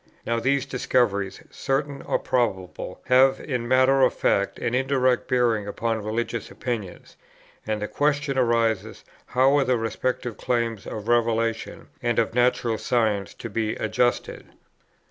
Now these discoveries, certain or probable, have in matter of fact an indirect bearing upon religious opinions, and the question arises how are the respective claims of revelation and of natural science to be adjusted.